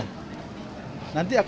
nanti akan terbuka